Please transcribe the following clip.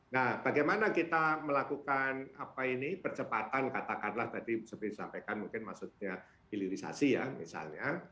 nah bagaimana kita melakukan apa ini percepatan katakanlah tadi seperti disampaikan mungkin maksudnya hilirisasi ya misalnya